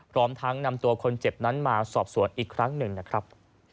พร้อมทั้งนำตัวคนเจ็บนั้นมาสอบสวนอีกครั้งหนึ่งนะครับ